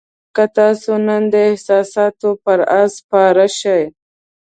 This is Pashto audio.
که تاسو نن د احساساتو پر آس سپاره شئ.